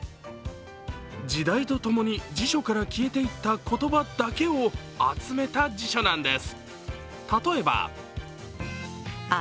時代とともに辞書から消えていった言葉だけを集めた辞書なんです。